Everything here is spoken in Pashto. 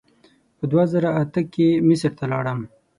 په دوه زره اته کې مصر ته لاړم.